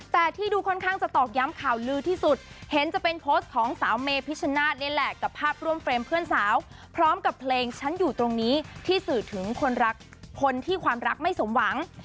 แต่ที่ดูค่อนข้างจะตอกย้ำข่าวลือที่สุดเห็นจะเป็นโพสต์ของสาวเมพิชนาธินี่แหละกับภาพร่วมเฟรมเพื่อนสาวพร้อมกับเพลงฉันอยู่ตรงนี้ที่สื่อถึงคนรักคนที่ความรักไม่สมหวัง